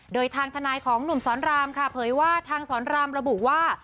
โดยทางทนายของหนุ่มสอนรามค่ะเผยว่าทางสอนรามระบุว่า